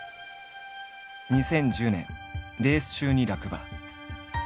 ２０１０年レース中に落馬。